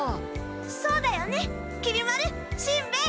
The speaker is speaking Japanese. そうだよねきり丸しんべヱ！